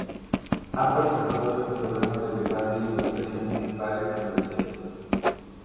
Ha participado en programa de debate y divulgación en radio y televisión.